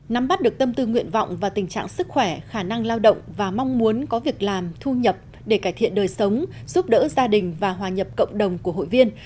nắm bắt được tâm tư nguyện vọng và tình trạng sức khỏe khả năng lao động và mong muốn có việc làm thu nhập để cải thiện đời sống giúp đỡ gia đình và hòa nhập cộng đồng của hội viên